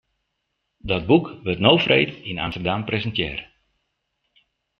Dat boek wurdt no freed yn Amsterdam presintearre.